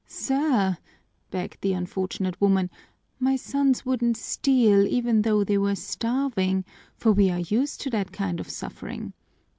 "Sir," begged the unfortunate woman, "my sons wouldn't steal even though they were starving, for we are used to that kind of suffering.